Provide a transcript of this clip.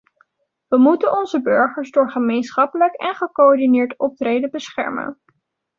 We moeten onze burgers door gemeenschappelijk en gecoördineerd optreden beschermen.